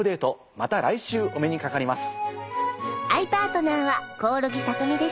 また来週お目にかかります。